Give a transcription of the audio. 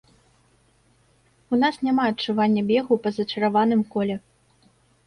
У нас няма адчування бегу па зачараваным коле.